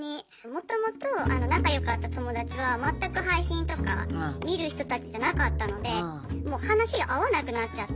もともと仲良かった友達は全く配信とか見る人たちじゃなかったのでもう話が合わなくなっちゃって。